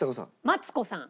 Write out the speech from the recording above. マツコさん。